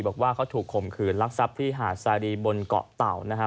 บอกว่าเขาถูกข่มคืนรักษัพที่หาดสารีบนเกาะเต่านะฮะ